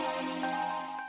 hubungkan twitter grease nikah